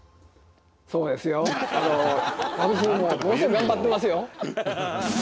頑張ってますよ。